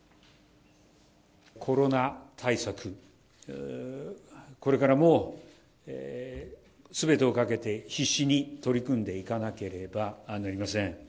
コロナ対策、これからも、すべてをかけて必死に取り組んでいかなければなりません。